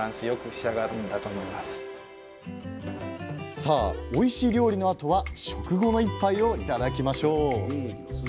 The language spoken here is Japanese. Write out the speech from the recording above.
さあおいしい料理のあとは食後の一杯を頂きましょう。